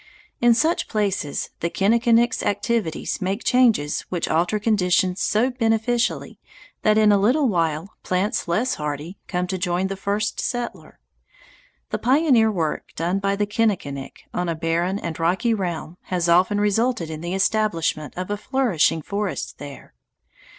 In such places the kinnikinick's activities make changes which alter conditions so beneficially that in a little while plants less hardy come to join the first settler. The pioneer work done by the kinnikinick on a barren and rocky realm has often resulted in the establishment of a flourishing forest there.